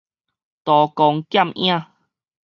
刀光劍影